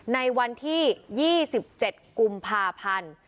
ในวันที่๒๗กุมภาพันธ์